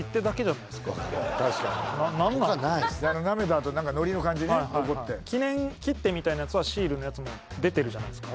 なめたあと何かノリの感じね残って記念切手みたいなやつはシールのやつも出てるじゃないですか